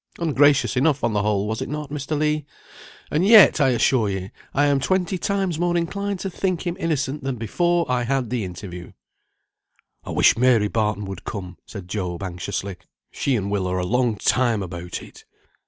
Ungracious enough on the whole, was it not, Mr. Legh? And yet, I assure ye, I am twenty times more inclined to think him innocent than before I had the interview." "I wish Mary Barton would come," said Job, anxiously. "She and Will are a long time about it."